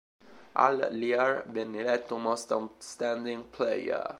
Hal Lear venne eletto Most Outstanding Player.